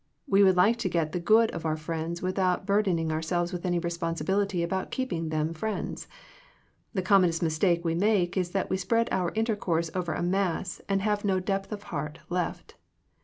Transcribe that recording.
We would like to get the good of our friends, without burden ing ourselves with any responsibility about keeping them friends. The com monest mistake we make is that we spread our intercourse over a mass, and have no depth of heart left.